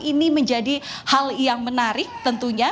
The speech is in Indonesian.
ini menjadi hal yang menarik tentunya